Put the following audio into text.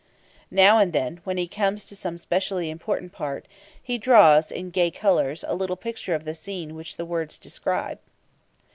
Now and then, when he comes to some specially important part, he draws, in gay colours, a little picture of the scene which the words describe.